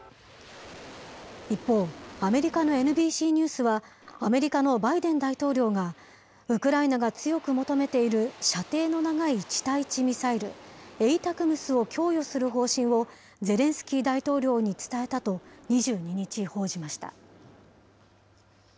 一方、アメリカのＮＢＣニュースは、アメリカのバイデン大統領が、ウクライナが強く求めている射程の長い地対地ミサイル、ＡＴＡＣＭＳを供与する方針を、ゼレンスキー大統領に伝えたと２２日、報じました。